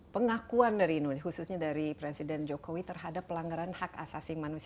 pengakuan dari indonesia khususnya dari presiden jokowi terhadap pelanggaran hak asasi manusia